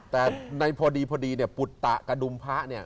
แต่พอดีปุฏตะกระดุมพะเนี่ย